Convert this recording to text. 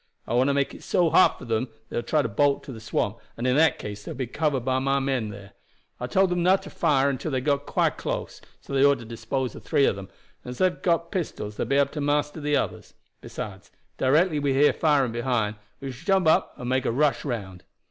I want to make it so hot for them that they will try to bolt to the swamp, and in that case they will be covered by the men there. I told them not to fire until they got quite close; so they ought to dispose of three of them, and as they have got pistols they will be able to master the others; besides, directly we hear firing behind, we shall jump up and make a rush round.